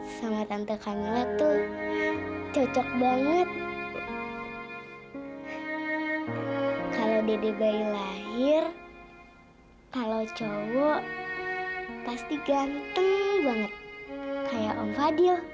sampai jumpa di video selanjutnya